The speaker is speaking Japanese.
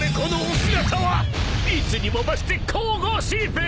［いつにも増して神々しいべ！］